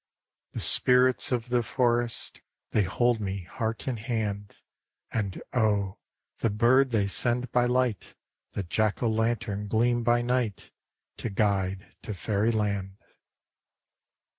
The spirits of the forest, They hold me, heart and hand And, oh! the bird they send by light, The jack o' lantern gleam by night, To guide to Fairyland!